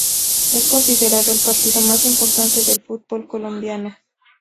Es considerado el partido más importante del fútbol colombiano.